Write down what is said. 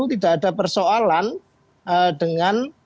tidak ada persoalan dengan